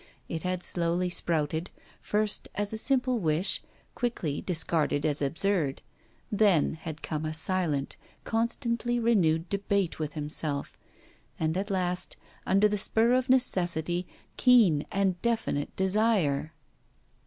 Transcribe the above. It had slowly sprouted, first as a simple wish, quickly discarded as absurd; then had come a silent, constantly renewed debate with himself; and at last, under the spur of necessity, keen and definite desire.